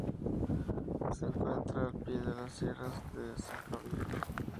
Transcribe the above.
Se encuentra al pie de las Sierras de San Javier.